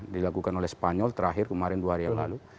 dilakukan oleh spanyol terakhir kemarin dua hari yang lalu